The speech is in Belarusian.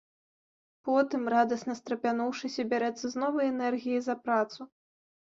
Потым, радасна страпянуўшыся, бярэцца з новай энергіяй за працу.